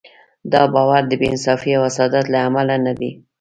دا باور د بې انصافۍ او حسادت له امله نه دی.